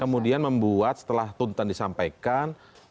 kemudian membuat setelah tuntutan disampaikan